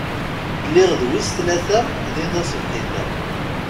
Lliɣ d wis tlata din taṣebḥit-a.